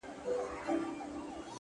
غواړم د پېړۍ لپاره مست جام د نشیې ؛